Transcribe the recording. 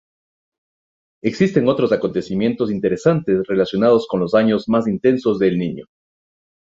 Existen otros acontecimientos interesantes relacionados con los años más intensos de El Niño.